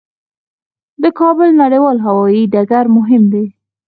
د کابل نړیوال هوايي ډګر مهم دی